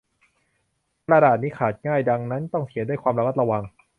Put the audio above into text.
กระดาษนี้ขาดง่าย ดังนั้นต้องเขียนด้วยความระมัดระวัง